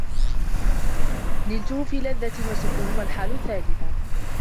نِلْتَهُ فِي لَذَّةٍ وَسُكُونِ وَالْحَالُ الثَّالِثَةُ